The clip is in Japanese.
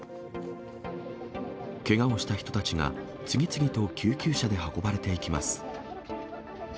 けがをした人たちが次々と救急車で運ばれていきます。